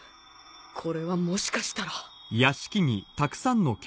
これはもしかしたら